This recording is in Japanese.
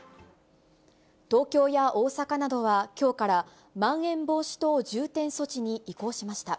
東京や大阪などは、きょうからまん延防止等重点措置に移行しました。